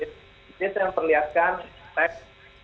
jadi saya memperlihatkan teks